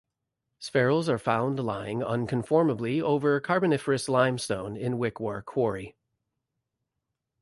Spherules are found lying unconformably over Carboniferous limestone in Wickwar Quarry.